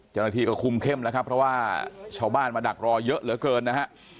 เจ้าหน้าที่ก็คุมเข้มแล้วครับเพราะว่าชาวบ้านมาดักรอเยอะเหลือเกินนะฮะ